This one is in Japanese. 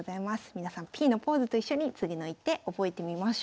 皆さんＰのポーズと一緒に次の一手覚えてみましょう。